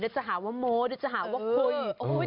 ด้วยชาหาวโมด้วยชาหาวคุย